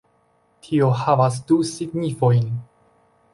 Tio havas du signifojn